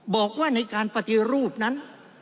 บอกว่าในการปฏิรูปนั้น